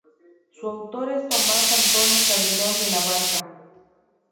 Su autor es Tomás Antonio Calderón de la Barca.